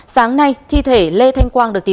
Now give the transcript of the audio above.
sáng nay thi thể lê thanh quang được thi thể